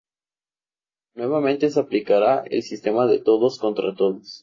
Nuevamente se aplicará el sistema de todos contra todos.